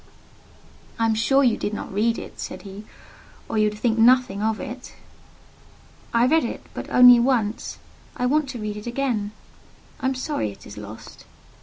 "I am sure you did not read it," said he; "or you would think nothing of it!" "I read it, but only once. I want to read it again. I am sorry it is lost."